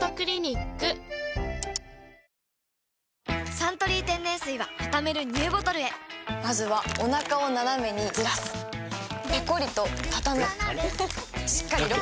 「サントリー天然水」はたためるＮＥＷボトルへまずはおなかをナナメにずらすペコリ！とたたむしっかりロック！